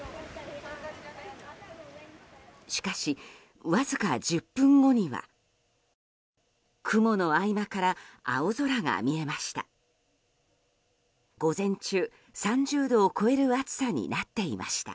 しかし、わずか１０分後には雲の合間から青空が見えました。